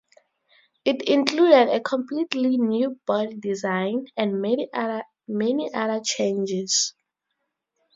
It included a completely new body design and many other changes.